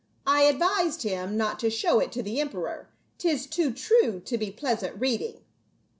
I advised him not to show it to the emperor ; 'tis too true to be pleasant reading."